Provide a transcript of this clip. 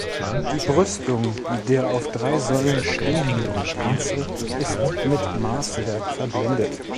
Die Brüstung der auf drei Säulen stehenden Kanzel ist mit Maßwerk verblendet.